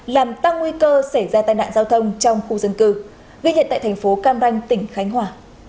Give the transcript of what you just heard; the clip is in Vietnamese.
làm tăng nguy cơ xảy ra tai nạn giao thông trong khu dân cư ghi nhận tại thành phố cam ranh tỉnh khánh hòa